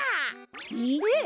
えっ？